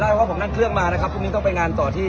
เพราะว่าผมนั่งเครื่องมานะครับพรุ่งนี้ต้องไปงานต่อที่